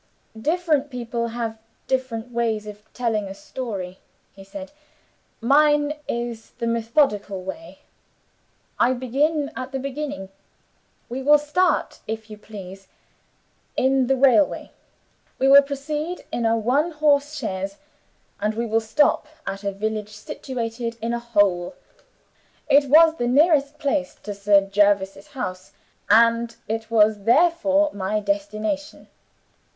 "Different people have different ways of telling a story," he said. "Mine is the methodical way I begin at the beginning. We will start, if you please, in the railway we will proceed in a one horse chaise and we will stop at a village, situated in a hole. It was the nearest place to Sir Jervis's house, and it was therefore my destination.